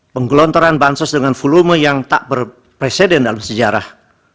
penggelontoran bansos dengan volume yang tak berpresiden dalam sejarah